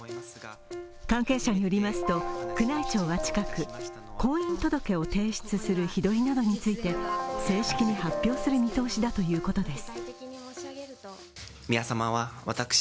関係者によりますと、宮内庁は近く婚姻届を提出する日取りなどについて正式に発表する見通しだということです。